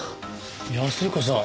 安彦さん